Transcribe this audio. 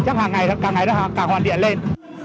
chắc hàng ngày hàng ngày hoàn thiện lên